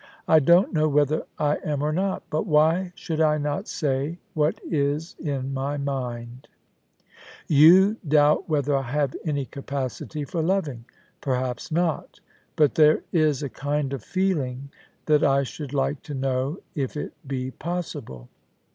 * I don't know whether I am or not ; but why should I not say what is in my mind ? You doubt whether I have any capacity for loving. Perhaps not, but there is a kind of feeling that I should like to know if it be possible.